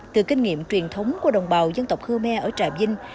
từ kinh nghiệm truyền thống của đồng bào dân tộc khơ me ở trà vinh